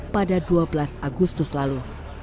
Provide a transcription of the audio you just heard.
pada dua belas agustus lalu